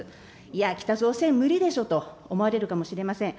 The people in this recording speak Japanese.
いや、北朝鮮無理でしょと思われるかもしれません。